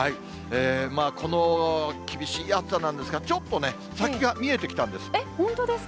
この厳しい暑さなんですが、ちょっとね、先が見えてきたんで本当ですか？